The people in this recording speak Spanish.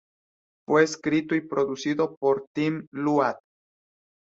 Fue escrito y producido por Tim Laud.